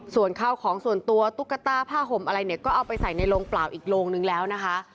ส่วนข้าวของส่วนตัวตุ๊กตาผ้าห่มอะไรเนี่ยก็เอาไปใส่ในโรงเปล่าอีกโรงนึงแล้วนะคะ